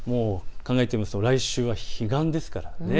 考えてみますと来週は彼岸ですからね。